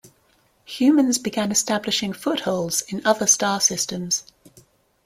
Humans began establishing footholds in other star systems.